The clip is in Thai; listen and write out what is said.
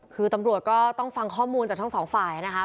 คือตำรวจก็ต้องฟังข้อมูลจากทั้งสองฝ่ายนะคะ